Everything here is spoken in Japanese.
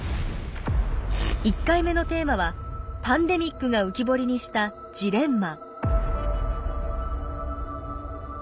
１回目のテーマはパンデミックが浮き彫りにしたジレンマ。